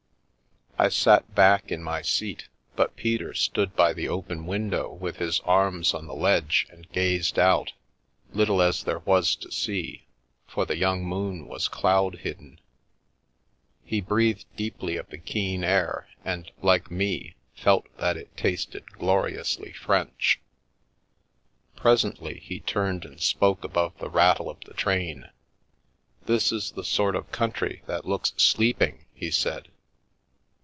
I sat back in my seat, but Peter stood by the open window with his arms on the ledge and gazed out, little as there was to see, for the young moon was cloud hidden. He breathed deeply of the keen air and, like me, felt that it tasted gloriously French. Presently, he turned and spoke above the rattle of the train. " This is the sort of country that looks sleeping," he said.